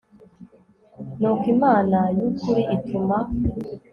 Nuko Imana y ukuri ituma